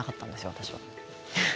私は。